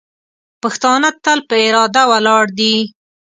پښتانه تل په اراده ولاړ دي.